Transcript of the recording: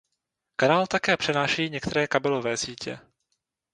Kanál také přenášejí některé kabelové sítě.